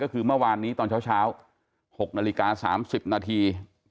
ก็คือเมื่อวานนี้ตอนเช้า๖นาฬิกา๓๐นาที